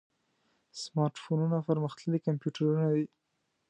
سمارټ فونونه پرمختللي کمپیوټرونه دي.